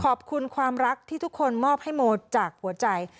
ขอบคุณความรักที่ทุกคนมอบให้โมจากหัวใจ